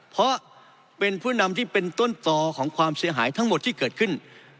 เพราะเป็นผู้นำที่เป็นต้นต่อของความเสียหายทั้งหมดที่เกิดขึ้น